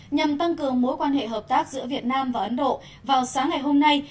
nhằm tăng cường mối quan hệ hợp tác giữa việt nam và ấn độ vào sáng ngày hôm nay